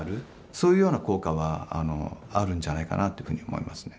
そういうような効果はあるんじゃないかなっていうふうに思いますね。